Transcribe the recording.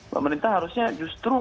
pemerintah harusnya justru